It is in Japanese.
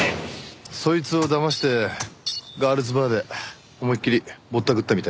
そいつをだましてガールズバーで思い切りぼったくったみたいだね。